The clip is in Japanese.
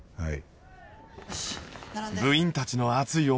はい！